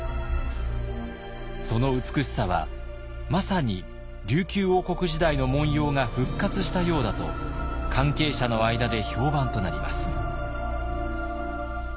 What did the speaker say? その美しさはまさに琉球王国時代の紋様が復活したようだと関係者の間で評判となります。